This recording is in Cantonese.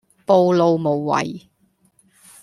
暴露無遺